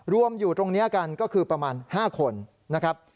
รวมอยู่ตรงนี้กันก็คือประมาณ๕คนนะครับ